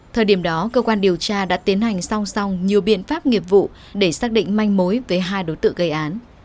thời điểm đó cơ quan điều tra đã tiến hành song song nhiều biện pháp nghiệp vụ để xác định manh mối với hai đối tượng gây án